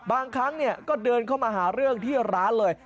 บางครั้งก็เดินเข้ามาหาเรื่องที่ร้านเลย